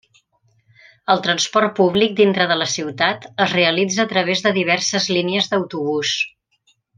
El transport públic dintre de la ciutat es realitza a través de diverses línies d'autobús.